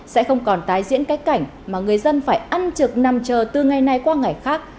sẽ không còn tái diễn cách cảnh mà người dân phải ăn trực nằm chờ từ ngày này qua ngày khác